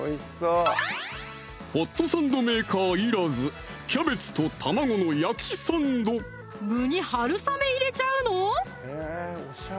ホットサンドメーカーいらず具にはるさめ入れちゃうの？